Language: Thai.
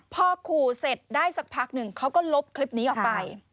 พอขู่เสร็จได้สักพักหนึ่งเขาก็ลบคลิปนี้ออกไป